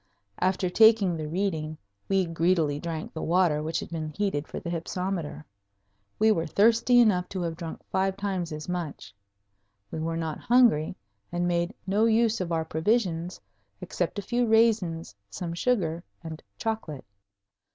After taking the reading we greedily drank the water which had been heated for the hypsometer. We were thirsty enough to have drunk five times as much. We were not hungry, and made no use of our provisions except a few raisins, some sugar, and chocolate.